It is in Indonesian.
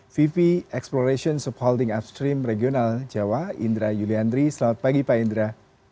vv exploration subholding upstream regional jawa indra yuliandri selamat pagi pak indra